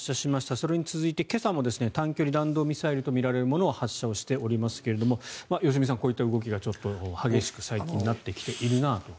それに続いて今朝も短距離弾道ミサイルとみられるものを発射をしておりますけれども良純さん、こういった動きが最近激しくなってきているという。